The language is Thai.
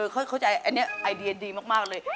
เข้าใจอันนี้ไอเดียดีมากเลย